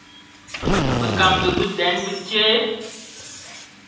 Bekangi bëdhen dhi tsè?